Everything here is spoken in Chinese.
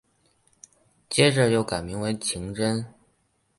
接着又改名为晴贞。